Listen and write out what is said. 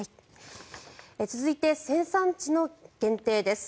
続いて生産地の限定です。